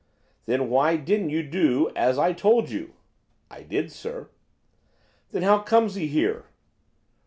'Then why didn't you do as I told you?' 'I did, sir.' 'Then how comes he here?